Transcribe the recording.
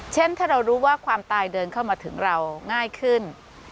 เช่นถ้าเรารู้ว่าความตายเดินเข้ามาถึงเราง่ายขึ้น